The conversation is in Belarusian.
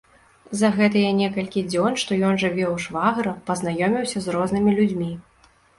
За гэтыя некалькі дзён, што ён жыве ў швагра, пазнаёміўся з рознымі людзьмі.